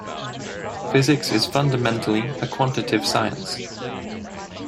Physics is fundamentally a quantitative science.